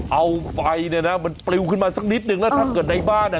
เอาไฟเนี่ยนะมันปลิวขึ้นมาสักนิดนึงแล้วถ้าเกิดในบ้านอ่ะ